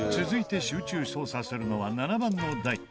続いて集中捜査するのは７番の台。